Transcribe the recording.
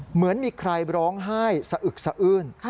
เหมือนมีใครร้องไห้สะอึกสะอื้น